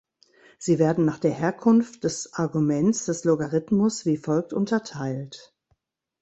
Sie werden nach der Herkunft des Arguments des Logarithmus wie folgt unterteilt.